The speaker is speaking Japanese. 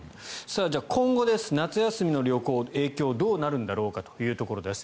今後、夏休みの旅行影響どうなるんだろうというところです。